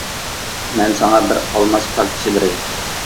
مەن ساڭا بىر ئالماس كارتىسى بېرەي.